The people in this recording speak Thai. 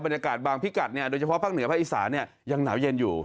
บรรยากาศบางพิกัดโดยเฉพาะภาคเหนือภาคอีสานังหนาวเย็นอยู่